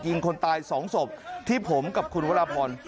ยิงคนตาย๒ศพที่ผมกับคุณวรพร